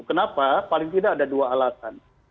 kenapa paling tidak ada dua alasan